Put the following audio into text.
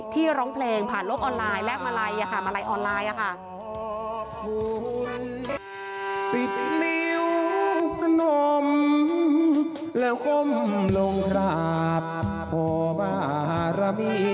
ที่ร้องเพลงผ่านโลกออนไลน์แลกมาลัยอ่ะค่ะมาลัยออนไลน์อ่ะค่ะ